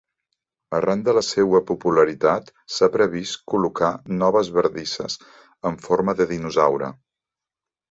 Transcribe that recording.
Arran de la seua popularitat, s'ha previst col·locar noves bardisses amb forma de dinosaure.